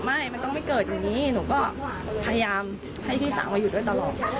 ไม่มันต้องไม่เกิดอย่างนี้หนูก็พยายามให้พี่สาวมาอยู่ด้วยตลอด